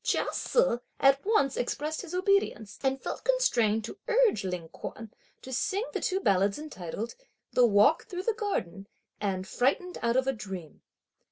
Chia Se at once expressed his obedience, and felt constrained to urge Ling Kuan to sing the two ballads entitled: "The walk through the garden" and "Frightened out of a dream."